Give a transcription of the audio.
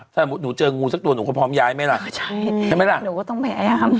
ถ้าหนูเจองูสักตัวหนูก็พร้อมย้ายไหมล่ะใช่หนูก็ต้องไปย้ำ